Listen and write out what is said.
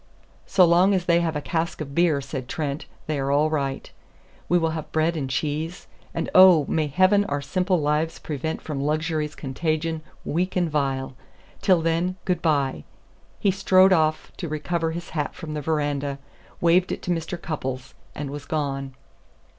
"So long as they have a cask of beer," said Trent, "they are all right. We will have bread and cheese, and oh, may Heaven our simple lives prevent from luxury's contagion, weak and vile! Till then, good by." He strode off to recover his hat from the veranda, waved it to Mr. Cupples, and was gone.